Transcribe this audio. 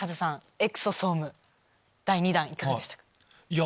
エクソソーム第２弾いかがでしたか？